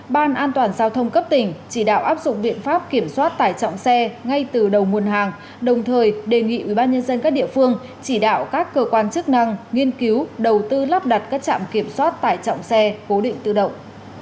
ban an toàn giao thông cấp tỉnh chỉ đạo áp dụng biện pháp kiểm soát tải trọng xe ngay từ đầu nguồn hàng đồng thời đề nghị ubnd các địa phương chỉ đạo các cơ quan chức năng nghiên cứu đầu tư lắp đặt các trạm kiểm soát tải trọng xe cố định tự động